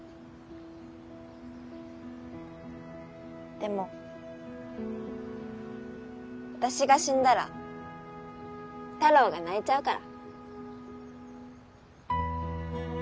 でも私が死んだらたろーが泣いちゃうから。